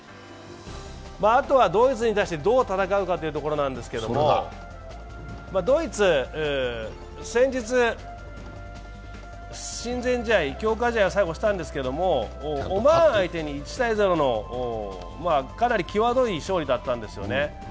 あとはドイツに対して、どう戦うかということなんですけど、ドイツ先日親善試合強化試合、最後にしたんですけど、オマーン相手に１−０のかなり際どい勝利だったんですよね。